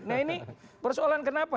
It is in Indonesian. nah ini persoalan kenapa